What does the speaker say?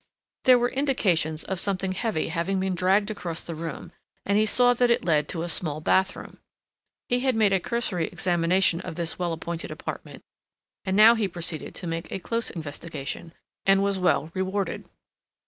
There were indications of something heavy having been dragged across the room and he saw that it led to a small bathroom. He had made a cursory examination of this well appointed apartment, and now he proceeded to make a close investigation and was well rewarded.